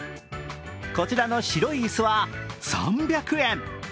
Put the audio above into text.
こちらの白い椅子は３００円。